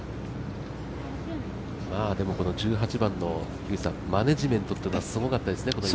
でもこの１８番のマネージメントというのはすごかったですね。